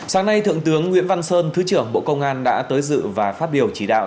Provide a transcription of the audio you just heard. sáng nay thượng tướng nguyễn văn sơn thứ trưởng bộ công an đã tới dự và phát biểu chỉ đạo